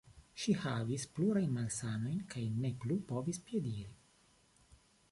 Ŝi havis plurajn malsanojn kaj ne plu povis piediri.